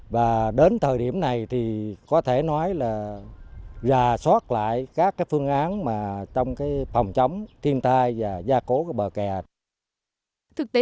và đến thời điểm này thì có thể nói là rà soát lại các phương án mà trong phòng chống thiên tai và gia cố bờ kè